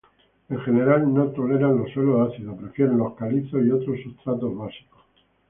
En general, no toleran los suelos ácidos, prefieren los calizos y otros sustratos básicos.